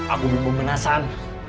aku bumbu menasan